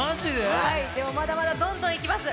でもまだまだどんどんいきます。